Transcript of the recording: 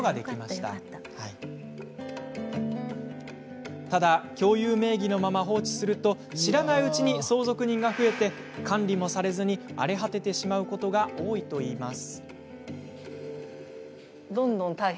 ただ、共有名義のまま放置すると知らないうちに相続人が増え管理もされず荒れ果ててしまうことが多いといいます。